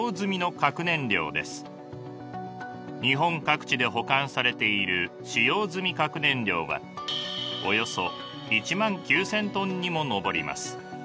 日本各地で保管されている使用済み核燃料はおよそ１９，０００ｔにも上ります。